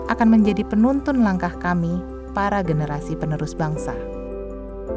akan menjadi penuntun langkah kami para generasi penerus bangsa